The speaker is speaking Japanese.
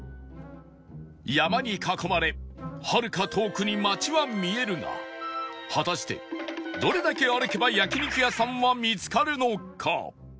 山に囲まれはるか遠くに街は見えるが果たしてどれだけ歩けば焼肉屋さんは見つかるのか？